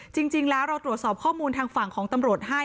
จริงแล้วเราตรวจสอบข้อมูลทางฝั่งของตำรวจให้